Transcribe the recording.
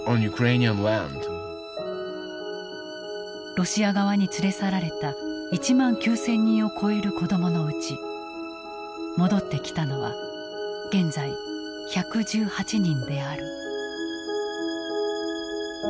ロシア側に連れ去られた１万９，０００人を超える子どものうち戻ってきたのは現在１１８人である。